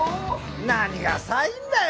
何がサインだよ